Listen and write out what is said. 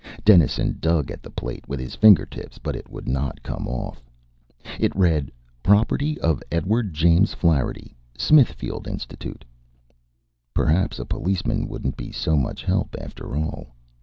Dennison dug at the plate with his fingertips, but it would not come off. It read, Property of Edward James Flaherty, Smithfield Institute. Perhaps a policeman wouldn't be so much help, after all.